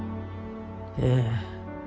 ええ。